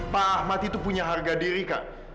pak ahmad itu punya harga diri kak